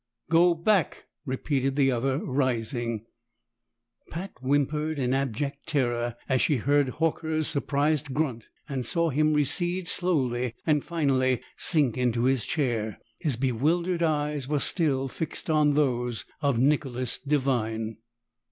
"Go back!" repeated the other, rising. Pat whimpered in abject terror as she heard Horker's surprised grunt, and saw him recede slowly, and finally sink into his chair. His bewildered eyes were still fixed on those of Nicholas Devine.